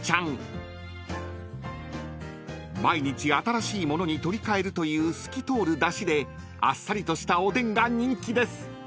［毎日新しい物に取り換えるという透き通るだしであっさりとしたおでんが人気です］